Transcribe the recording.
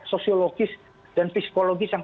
sosiologis dan psikologis yang